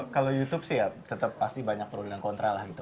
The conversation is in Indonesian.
kalau youtube sih ya tetap pasti banyak pro dan kontra lah gitu